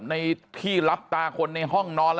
ในที่รับตาคนในห้องนอน